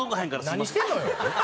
何してんのよ。